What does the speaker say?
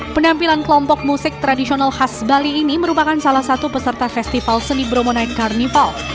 penampilan kelompok musik tradisional khas bali ini merupakan salah satu peserta festival seni bromo night carnival